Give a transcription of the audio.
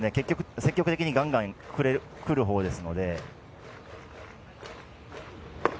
積極的にがんがん振るほうですので。